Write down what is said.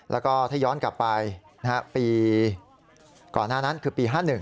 แล้วก็ถ้าย้อนกลับไปปีก่อนหน้านั้นคือปี๕๑